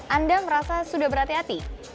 anda merasa sudah berhati hati